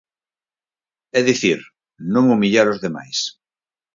É dicir, non humillar os demais.